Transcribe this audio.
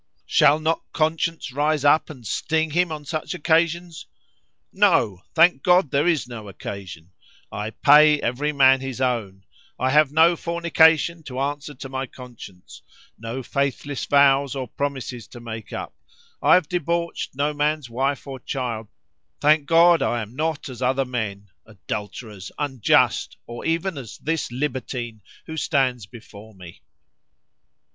] "Shall not conscience rise up and sting him on such occasions?——No; thank God there is no occasion, _I pay every man his own;—I have no fornication to answer to my conscience;—no faithless vows or promises to make up;—I have debauched no man's wife or child; thank God, I am not as other men, adulterers, unjust, or even as this libertine, who stands before me.